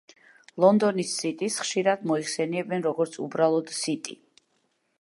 ლონდონის სიტის ხშირად მოიხსენიებენ, როგორც უბრალოდ სიტი.